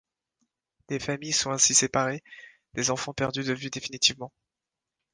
Des familles sont ainsi séparées, des enfants perdus de vue définitivement.